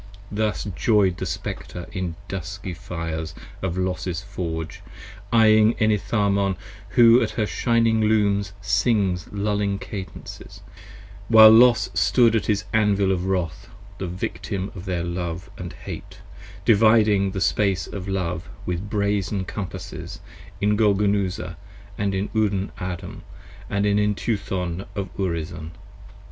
Thusjoy'd the Spectre in the dusky fires of Los's Forge, eyeing 45 Enitharmon who at her shining Looms sings lulling cadences, While Los stood at his Anvil in wrath, the victim of their love And hate: dividing the Space of Love with brazen Compasses In Golgonooza & in Udan Adan & in Entuthon of Urizen.